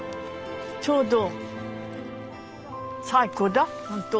ちょうど最高だほんと。